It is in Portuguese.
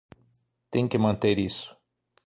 Tem que manter isso